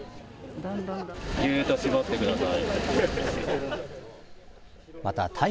ぎゅーっと絞ってください。